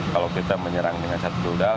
kalau kita menyerang dengan satu rudal